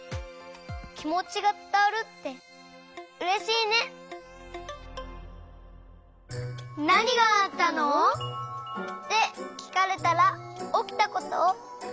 きもちがつたわるってうれしいね！ってきかれたらおきたことをじゅんばんにはなそう！